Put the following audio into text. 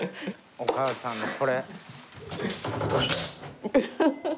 お母さんのこれ。